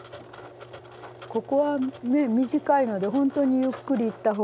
ここは短いのでほんとにゆっくりいった方が。